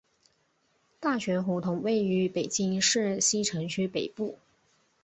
大觉胡同位于北京市西城区北部。